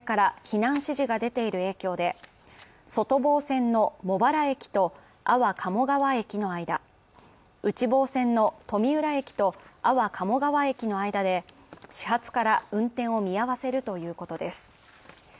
ＪＲ東日本によりますと、沿線の自治体から避難指示が出ている影響で外房線の茂原駅と安房鴨川駅の間内房線の富浦駅と安房鴨川駅の間で始発から運転を見合わせるということです。